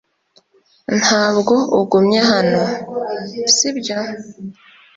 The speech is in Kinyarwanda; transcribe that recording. Ntabwo ugumye hano, si byo?